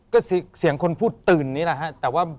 ก็เสียงคนพูดตื้นนี่แหละครับ